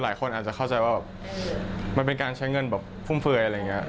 หลายคนอาจจะเข้าใจว่ามันเป็นการใช้เงินฟุ่มเฟย